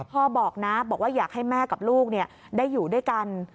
บอกนะบอกว่าอยากให้แม่กับลูกได้อยู่ด้วยกัน